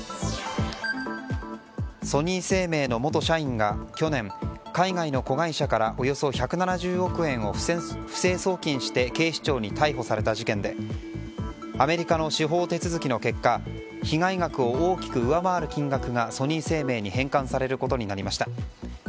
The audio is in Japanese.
ソニー生命の元社員が去年海外の子会社からおよそ１７０億円を不正送金して警視庁に逮捕された事件でアメリカの司法手続きの結果被害額を大きく上回る金額がソニー生命に返還されることになりました。